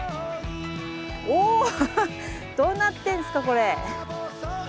おどうなってんすかこれ。